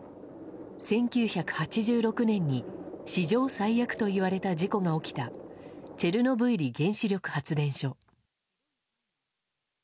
１９８６年に史上最悪と言われた事故が起きたチェルノブイリ原子力発電所。